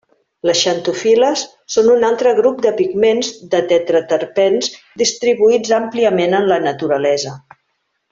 Les xantofil·les són un altre grup de pigments de tetraterpens distribuïts àmpliament en la naturalesa.